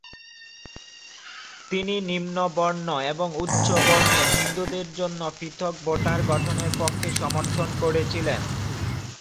তিনি নিম্ন বর্ণ এবং উচ্চ বর্ণের হিন্দুদের জন্য পৃথক ভোটার গঠনের পক্ষে সমর্থন করেছিলেন।